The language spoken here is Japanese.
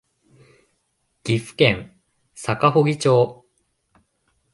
岐阜県坂祝町